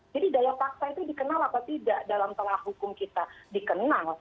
jadi daya paksa itu dikenal atau tidak dalam telah hukum kita dikenal